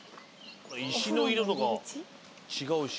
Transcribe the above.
石の色とか違うし。